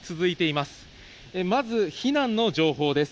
まず避難の情報です。